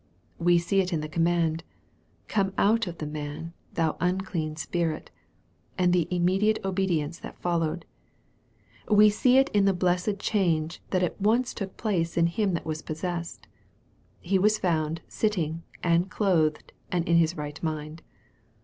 We see it in the com mand, " Come out of the man, thou unclean spirit," and the immediate obedience that followed. We see it in the blessed change that at once took place in him that was possessed : he was found " sitting, and clothed, and in his right mind."